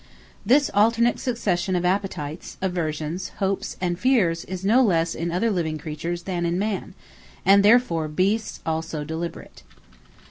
This alternate succession of Appetites, Aversions, Hopes and Feares is no less in other living Creatures than in Man; and therefore Beasts also Deliberate.